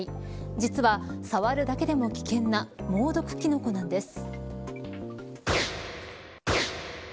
実は、触るだけでも危険な猛毒キノコなんです。